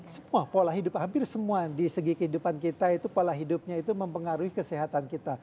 semua pola hidup hampir semua di segi kehidupan kita itu pola hidupnya itu mempengaruhi kesehatan kita